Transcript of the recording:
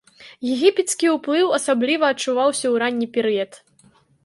Егіпецкі ўплыў асабліва адчуваўся ў ранні перыяд.